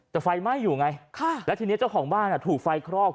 แต่ไฟไหม้อยู่ไงแล้วทีนี้เจ้าของบ้านถูกไฟคลอก